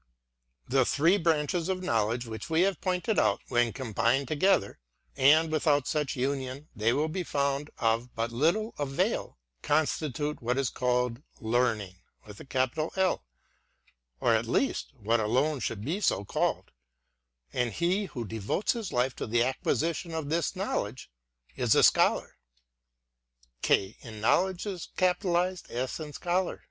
The three branches of Knowledge which we have pointed out, when combined together — (and without such union they will be found of but little avail) — constitute what is called Learning, or at least what alone should be so called ;— and he who devotes his life to the acquisition of this Knowledge is a Scholar.